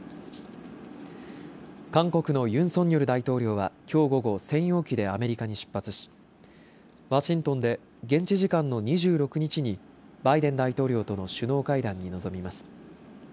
韓国のユン・ソンニョル大統領はきょう午後、専用機でアメリカに出発しワシントンで現地時間の２６日にバイデン大統領との首脳会談に臨みます。